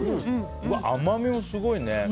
甘みもすごいね。